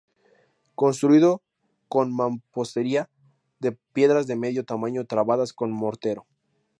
Construido con mampostería de piedras de medio tamaño trabadas con mortero.